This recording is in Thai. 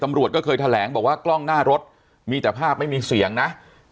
ตำรวจก็เคยแถลงบอกว่ากล้องหน้ารถมีแต่ภาพไม่มีเสียงนะ